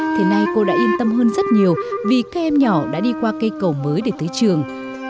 thế nay cô đã yên tâm hơn rất nhiều vì các em nhỏ đã đi qua cây cầu mới để tới trường